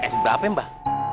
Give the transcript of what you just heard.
s berapa ya mbak